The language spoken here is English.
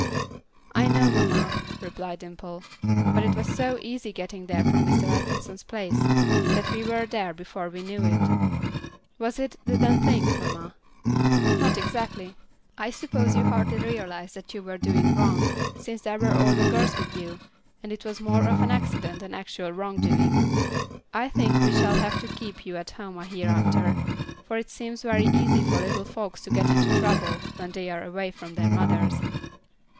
"I know, mamma," replied Dimple, "but it was so easy getting there from Mr. Atkinson's place, that we were there before we knew it. Was it 'Didn't think,' mamma?" "Not exactly. I suppose you hardly realized that you were doing wrong since there were older girls with you, and it was more of an accident than actual wrongdoing. I think we shall have to keep you at home hereafter, for it seems very easy for little folks to get into trouble when they are away from their mothers.